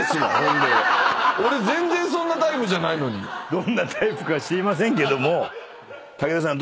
どんなタイプか知りませんけども。